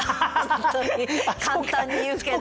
本当に簡単に言うけど。